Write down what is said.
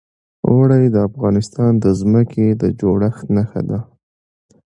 اوړي د افغانستان د ځمکې د جوړښت نښه ده.